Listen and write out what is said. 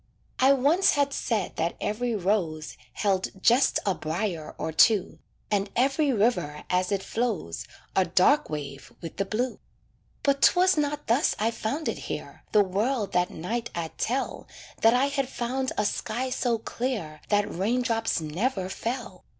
I once had said that every rose Held just a briar or two, And every river as it flows A dark wave with the blue; But 'twas not thus I found it here, The world that night I'd tell That I had found a sky so clear That rain drops never fell.